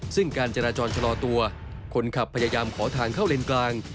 ซึ่งการจราจรชะลอตัวคนขับพยายามขอทางเข้าเลนกลาง